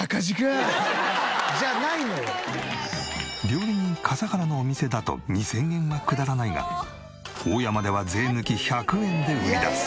料理人笠原のお店だと２０００円は下らないがオオヤマでは税抜き１００円で売り出す。